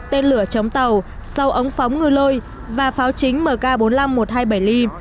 tên lửa chống tàu sâu ống phóng ngư lôi và pháo chính mk bốn mươi năm một trăm hai mươi bảy l